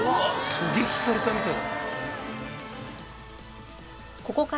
狙撃されたみたい。